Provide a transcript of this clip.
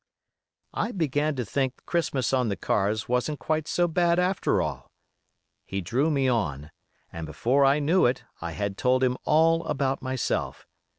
I began to think Christmas on the cars wasn't quite so bad after all. He drew me on, and before I knew it I had told him all about myself.